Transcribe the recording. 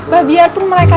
bah biarpun mereka